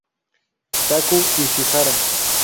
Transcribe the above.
Taku Ishihara